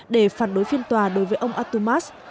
để phản đối phiên tòa đối với ông atumas